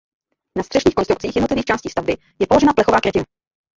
Na střešních konstrukcích jednotlivých částí stavby je položena plechová krytina.